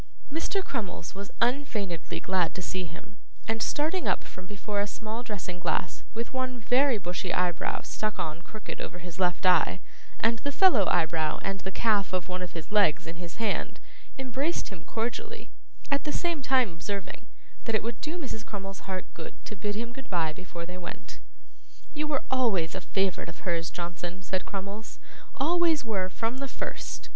Mr. Crummles was unfeignedly glad to see him, and starting up from before a small dressing glass, with one very bushy eyebrow stuck on crooked over his left eye, and the fellow eyebrow and the calf of one of his legs in his hand, embraced him cordially; at the same time observing, that it would do Mrs. Crummles's heart good to bid him goodbye before they went. 'You were always a favourite of hers, Johnson,' said Crummles, 'always were from the first.